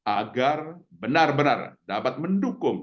agar benar benar dapat mendukung